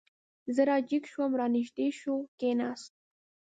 زه را جګ شوم، را نږدې شو، کېناست.